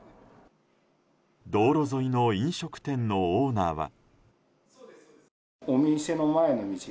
道路沿いの飲食店のオーナーは。